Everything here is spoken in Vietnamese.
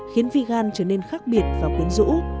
khiến vigan trở nên khác biệt và quyến rũ